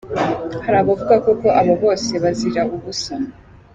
Hari abavuga ko ko aba bose bazira ubusa.